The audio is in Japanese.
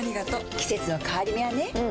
季節の変わり目はねうん。